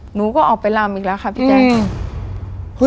หนูก็ออกไปลำอีกแล้วค่ะพี่แจ๊ค